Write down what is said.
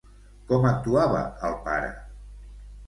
Com actuava el pare?